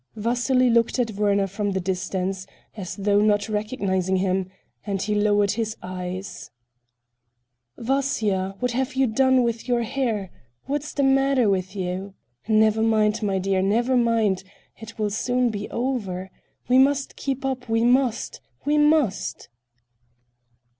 Vasily looked at Werner from the distance, as though not recognizing him, and he lowered his eyes. "Vasya, what have you done with your hair? What is the matter with you? Never mind, my dear, never mind, it will soon be over. We must keep up, we must, we must."